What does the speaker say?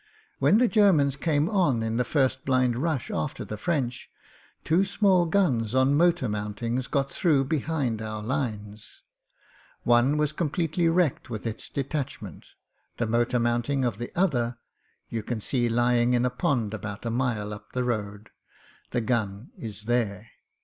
When the Germans came on in the first blind rush after the French two small guns on motor mountings got through behind our lines. it 38 MEN, WOMEN AND GUNS One was completely wrecked with its detachment The motor mounting of the other you can see lying in a pond about a mile up the road. The gun is there."